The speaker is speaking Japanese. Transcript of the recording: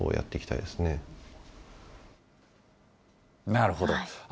なるほど。